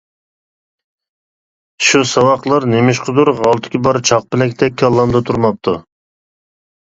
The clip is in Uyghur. شۇ ساۋاقلار نېمىشقىدۇر غالتىكى بار چاقپەلەكتەك كاللامدا تۇرماپتۇ.